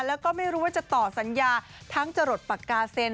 แล้วก็ไม่รู้ว่าจะต่อสัญญาทั้งจรดปากกาเซ็น